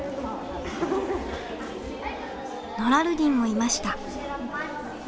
ノラルディンもいました。